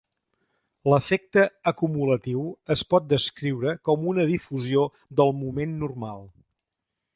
L'efecte acumulatiu es pot descriure com una difusió del moment normal.